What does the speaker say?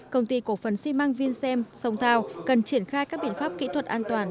công ty cổ phần xi măng vinsem sông thao cần triển khai các biện pháp kỹ thuật an toàn